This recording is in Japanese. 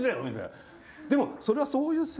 でもそれは「そういう説がある。